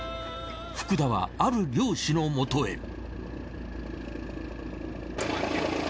福田はある漁師のもとへ。